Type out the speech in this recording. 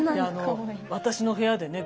私の部屋でね